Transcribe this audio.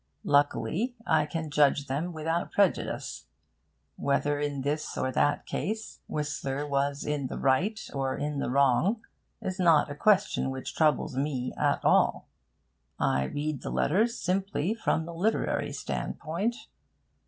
Luckily, I can judge them without prejudice. Whether in this or that case Whistler was in the right or in the wrong is not a question which troubles me at all. I read the letters simply from the literary standpoint.